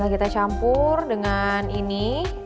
kita campur dengan ini